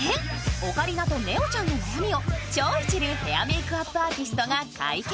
オカリナとねおちゃんの悩みを超一流ヘアメークアップアーティストが解決。